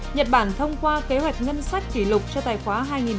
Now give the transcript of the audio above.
nhật bản thông qua kế hoạch ngân sách kỷ lục cho tài khoá hai nghìn một mươi bảy